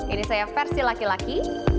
ini saya versi laki laki